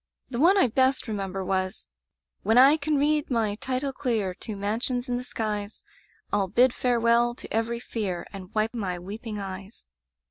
The one I best remember was: '^^When I can read my title clear To mansions in the skies, ril bid farewell to every fear. And wipe my weeping eyes.